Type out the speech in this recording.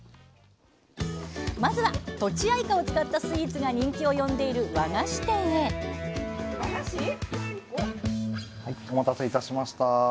まずはとちあいかを使ったスイーツが人気を呼んでいる和菓子店へはいお待たせいたしました。